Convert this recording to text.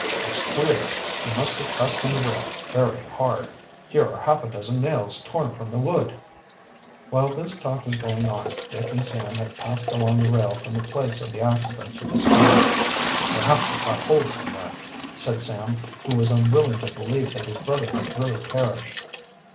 "It's queer. He must have pressed on the rail very hard.. Here are half a dozen nails torn from the wood." While this talk was going on Dick and Sam had passed along the rail from the place of the accident to the stern. "Perhaps he caught hold somewhere," said Sam, who was unwilling to believe that his brother had really perished.